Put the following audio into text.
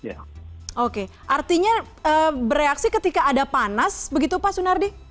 oke artinya bereaksi ketika ada panas begitu pak sunardi